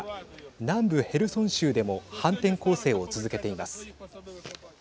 南部ヘルソン州でも反転攻勢を続けています。